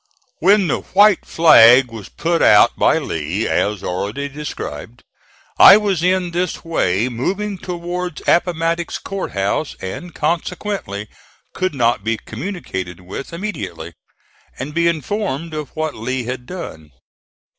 When the white flag was put out by Lee, as already described, I was in this way moving towards Appomattox Court House, and consequently could not be communicated with immediately, and be informed of what Lee had done.